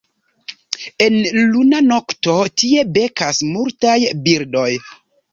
En luna nokto tie bekas multaj birdoj.